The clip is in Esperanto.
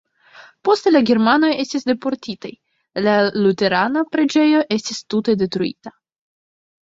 Poste la germanoj estis deportitaj, la luterana preĝejo estis tute detruita.